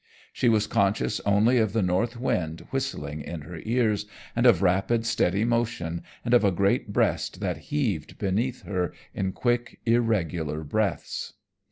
She was conscious only of the north wind whistling in her ears, and of rapid steady motion and of a great breast that heaved beneath her in quick, irregular breaths.